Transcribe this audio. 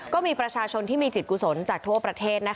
ก็มีประชาชนที่มีจิตกุศลจากทั่วประเทศ